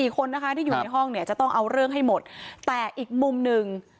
คนนะคะที่อยู่ในห้องเนี่ยจะต้องเอาเรื่องให้หมดแต่อีกมุมหนึ่ง